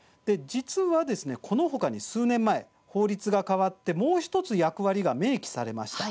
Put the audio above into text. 実は、このほかに数年前、法律が変わってもう１つ役割が明記されました。